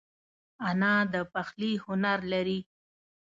انا د پخلي هنر لري